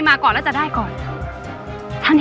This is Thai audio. ไม่จริง